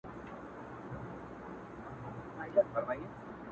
• د دروازې له ښورېدو سره سړه سي خونه,